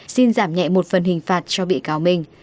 xin giảm nhẹ một phần hình phạt cho bị cáo minh